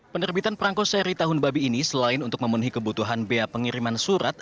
penerbitan perangko seri tahun babi ini selain untuk memenuhi kebutuhan bea pengiriman surat